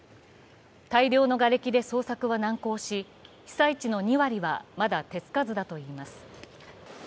大量のがれきで捜索は難航し被災地の２割はまだ手つかずだといいます。